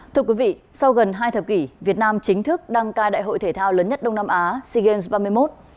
thưa quý vị sau gần hai thập kỷ việt nam chính thức đăng cai đại hội thể thao lớn nhất đông nam á sea games ba mươi một